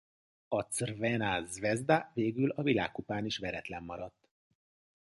A Crvena zvezda végül a világkupán is veretlen maradt.